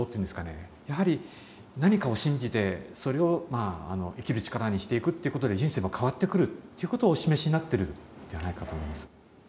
やはり何かを信じてそれをまあ生きる力にしていくっていうことで人生も変わってくるっていうことをお示しになってるんではないかと思います。